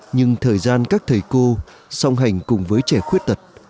nhưng thời gian các thầy cô song hành cùng với trẻ khuyết tật